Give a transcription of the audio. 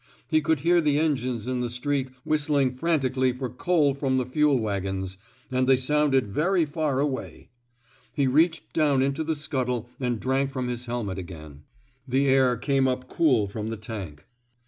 He could hear the enghies in the street whistling frantically for coal from the fuel wagons; and they sounded very far away. He reached down into the scuttle and drank from his helmet again. The air came up cool 211 f THE SMOKE EATERS from the tank.